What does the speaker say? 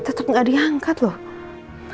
tetep gak diangkat loh